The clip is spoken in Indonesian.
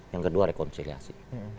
yang kedua rekonciliasi